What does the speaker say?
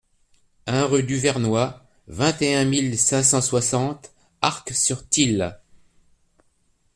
un rue du Vernoy, vingt et un mille cinq cent soixante Arc-sur-Tille